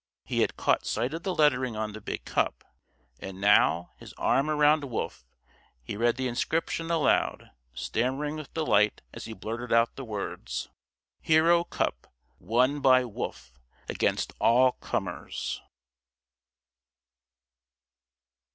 He had caught sight of the lettering on the big cup. And now, his arm around Wolf, he read the inscription aloud, stammering with delight as he blurted out the words: "HERO CUP. WON BY WOLF, AGAINST ALL COMERS."